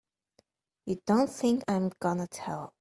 You don't think I'm gonna tell!